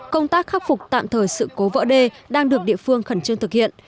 công tác khắc phục tạm thời sự cố vỡ đê đang được địa phương khẩn trương thực hiện